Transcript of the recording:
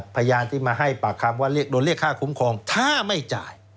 พยานที่มาให้ปากคำว่าโดนเรียกค่าคุ้มครองถ้าไม่จ่าย